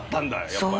やっぱり。